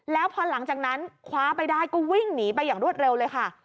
แล้วพอหลังจากนั้นคว้าไปได้ก็วิ่งหนีไปอย่างรวดเร็วเลยค่ะ